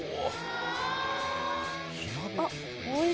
あっ。